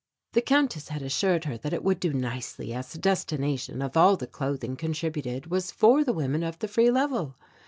The Countess had assured her that it would do nicely as the destination of all the clothing contributed was for the women of the Free Level.